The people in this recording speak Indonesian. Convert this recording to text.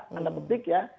menurut publik ya